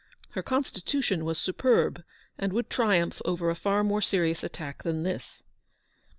Her constitution was superb, and would triumph over a far more serious attack than this.